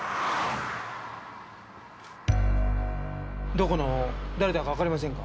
どこの誰だかわかりませんか？